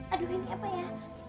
aduh ini apa ya